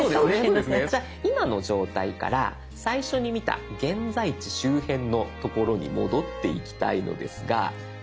じゃあ今の状態から最初に見た現在地周辺のところに戻っていきたいのですが。